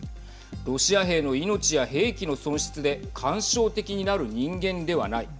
ロシア兵の命や兵器の損失で感傷的になる人間ではない。